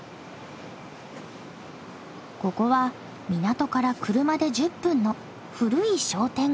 ここは港から車で１０分の古い商店街。